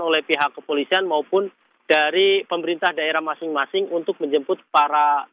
oleh pihak kepolisian maupun dari pemerintah daerah masing masing untuk menjemput para